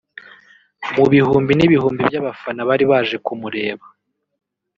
Mu bihumbi n’ibihumbi by’abafana bari baje kumureba